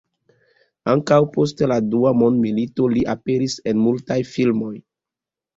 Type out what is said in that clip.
Ankaŭ post la Dua mondmilito li aperis en multaj filmoj.